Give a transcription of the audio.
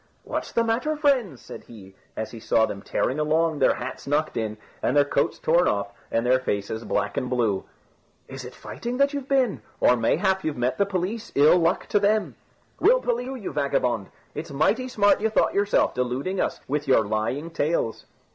"What's the matter, friends?" said he, as he saw them tearing along, their hats knocked in, and their coats torn off, and their faces black and blue. "Is it fighting you've been? or mayhap you met the police, ill luck to them?" "We'll police you, you vagabond. It's mighty smart you thought yourself, deluding us with your lying tales."